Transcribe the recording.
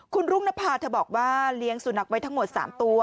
คุณรุ่งนภาเธอบอกว่าเลี้ยงสุนัขไว้ทั้งหมด๓ตัว